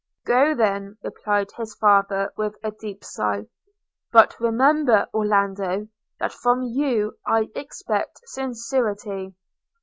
– 'Go, then,' replied his father with a deep sigh – 'but remember, Orlando, that from you I expect sincerity.'